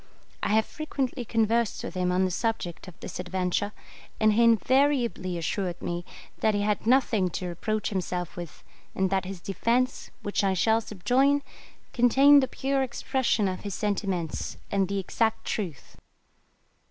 I have frequently conversed with him on the subject of this adventure, and he invariably assured me that he had nothing to reproach himself with, and that his defence, which I shall subjoin, contained the pure expression of his sentiments, and the exact truth.